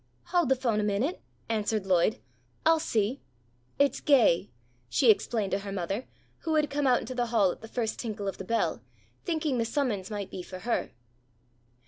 "Hold the phone a minute," answered Lloyd. "I'll see. It's Gay," she explained to her mother who had come out into the hall at the first tinkle of the bell, thinking the summons might be for her.